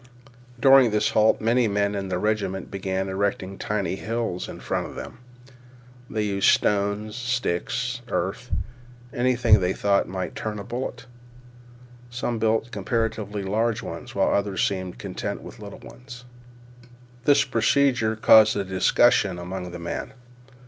During this halt many men in the regiment began erecting tiny hills in front of them. They used stones sticks, earth, and anything they thought might turn a bullet. Some built comparatively large ones, while others seems content with little ones. This procedure caused a discussion among the men.